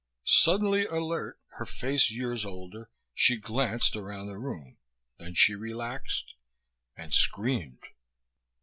Suddenly alert, her face years older, she glanced around the room. Then she relaxed.... And screamed.